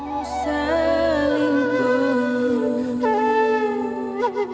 yang pertama fia valen